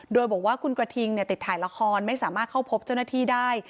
โดยบอกว่าคุณกระทิงติดถ่ายละครไม่สามารถเข้าพบเจ้าหน้าที่ได้